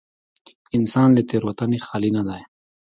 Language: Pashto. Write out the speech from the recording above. انسان له تېروتنې خالي نه دی.